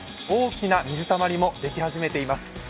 大きな水たまりもでき始めています。